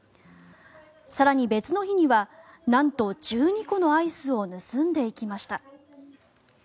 更に別の日にはなんと１２個のアイスを盗んでいきました。